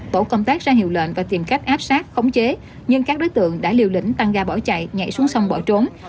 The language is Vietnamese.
tổ công tác ra hiệu lệnh và tìm cách áp sát khống chế nhưng các đối tượng đã liều lĩnh tăng ga bỏ chạy nhảy xuống sông bỏ trốn